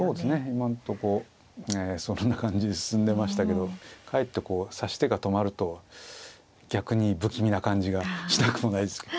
今んとこそんな感じで進んでましたけどかえってこう指し手が止まると逆に不気味な感じがしなくもないですが。